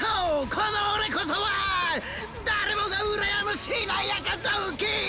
このオレこそはだれもがうらやむしなやかぞうき！